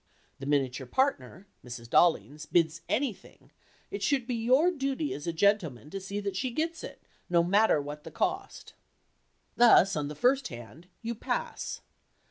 The minute your partner (Mrs. Dollings) bids anything, it should be your duty as a gentleman to see that she gets it, no matter what the cost. Thus, on the first hand, you "pass."